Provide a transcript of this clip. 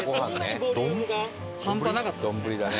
半端なかったですね。